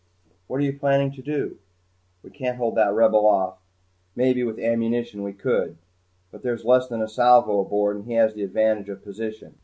"What are you planning to do?" I asked. "We can't hold that Rebel off. Maybe with ammunition we could, but there's less than a salvo aboard and he has the advantage of position.